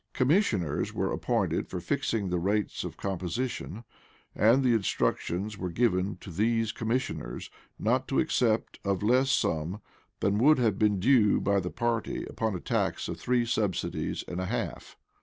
Commissioners were appointed for fixing the rates of composition; and instructions were given to these commissioners not to accept of a less sum than would have been due by the party upon a tax of three subsidies and a half.